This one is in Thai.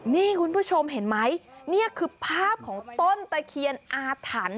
นี่คุณผู้ชมเห็นไหมนี่คือภาพของต้นตะเคียนอาถรรพ์